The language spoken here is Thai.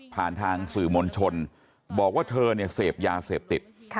ผ่านทางสื่อมวลชนบอกว่าเธอเนี่ยเสพยาเสพติด